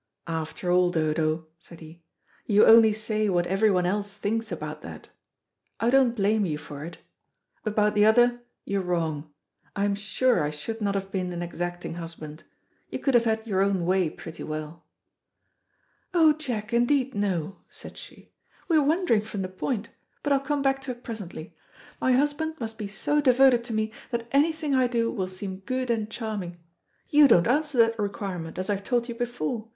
"After all, Dodo," said he, "you only say what every one else thinks about that. I don't blame you for it. About the other, you're wrong. I am sure I should not have been an exacting husband. You could have had your own way pretty well." "Oh, Jack, indeed no," said she; "we are wandering from the point, but I'll come back to it presently. My husband must be so devoted to me that anything I do will seem good and charming. You don't answer that requirement, as I've told you before.